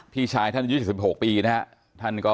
พี่ชายท่านอายุ๑๖ปีนะครับ